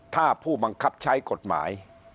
ถ้าผู้บังคับใช้กฎหมาย